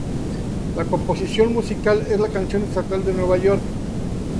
La composición musical es la canción estatal de Nueva York.